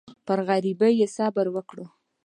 پر غریبۍ یې صبر وکړ.